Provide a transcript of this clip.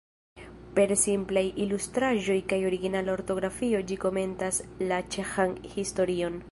Per simplaj ilustraĵoj kaj originala ortografio ĝi komentas la ĉeĥan historion.